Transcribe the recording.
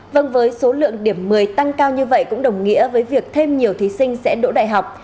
vâng với số lượng điểm một mươi tăng cao như vậy cũng đồng nghĩa với việc thêm nhiều thí sinh sẽ đỗ đại học